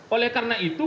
oleh karena itu